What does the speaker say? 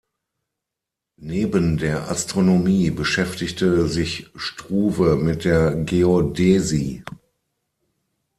Neben der Astronomie beschäftigte sich Struve mit der Geodäsie.